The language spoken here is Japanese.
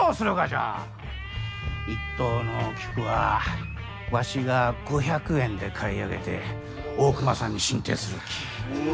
一等の菊はわしが５００円で買い上げて大隈さんに進呈するき。